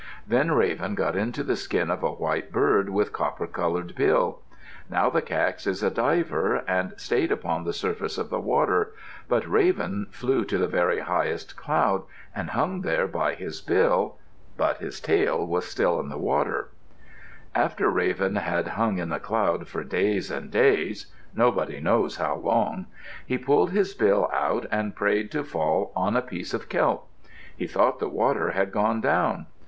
Then Raven got into the skin of a white bird with copper colored bill. Now the cax is a diver and stayed upon the surface of the water. But Raven flew to the very highest cloud and hung there by his bill. But his tail was in the water. After Raven had hung in the cloud for days and days nobody knows how long he pulled his bill out and prayed to fall on a piece of kelp. He thought the water had gone down.